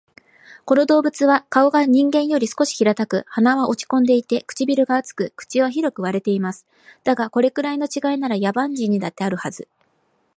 この動物は顔が人間より少し平たく、鼻は落ち込んでいて、唇が厚く、口は広く割れています。だが、これくらいの違いなら、野蛮人にだってあるはず